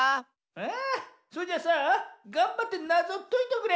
あそれじゃあさがんばってなぞをといとくれ。